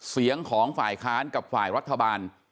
เสียงของฝ่ายค้านกับฝ่ายรัฐบาล